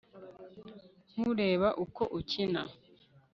nkureba uko ukina